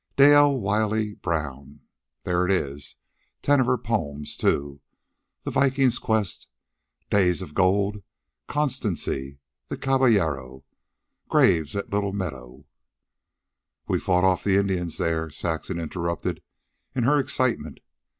Dayelle Wiley Brown. There it is. Ten of her poems, too: 'The Viking's Quest'; 'Days of Gold'; 'Constancy'; 'The Caballero'; 'Graves at Little Meadow' " "We fought off the Indians there," Saxon interrupted in her excitement.